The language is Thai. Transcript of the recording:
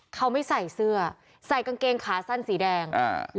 เขาไม่ใส่เสื้อใส่กางเกงขาสั้นสีแดงอ่า